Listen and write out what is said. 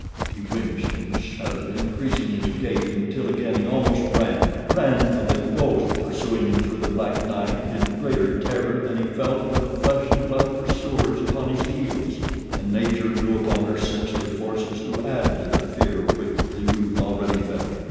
He winced and shuddered, increasing his gait until again he almost ran ran from the ghost pursuing him through the black night in greater terror than he felt for the flesh and blood pursuers upon his heels. And Nature drew upon her sinister forces to add to the fear which the youth already felt.